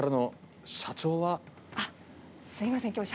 あっすいません今日。